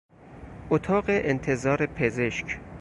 اتاق انتظار پزشک